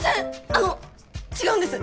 あの違うんです！